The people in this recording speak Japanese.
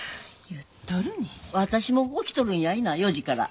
私も起きとるんやいな４時から。